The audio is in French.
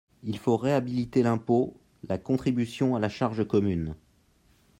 Il faut réhabiliter l’impôt, la contribution à la charge commune.